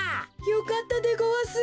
よかったでごわす。